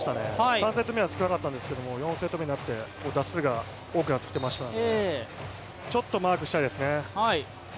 ３セット目は少なかったんですけど４セット目になって打数が多くなってきていましたのでちょっとマークしたいですね。